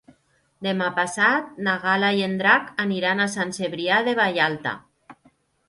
Demà passat na Gal·la i en Drac aniran a Sant Cebrià de Vallalta.